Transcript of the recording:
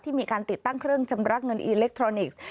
มีการติดตั้งเครื่องชำระเงินอิเล็กทรอนิกส์